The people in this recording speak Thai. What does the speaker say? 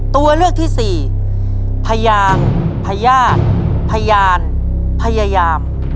ตัวเลือกที่สี่พยางพญาติพยานพยายาม